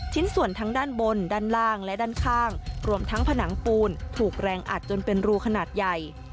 ชิ้นส่วนทั้งด้านบนด้านล่างและด้านข้างรวมทั้งผนังปูนถูกแรงอัดจนเป็นรูขนาดใหญ่